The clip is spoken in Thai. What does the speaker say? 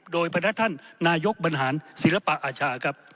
โดยพนักท่านนายกบรรหารศิลปะอาชาครับ